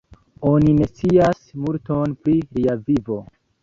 Oni ne scias multon pri lia vivo.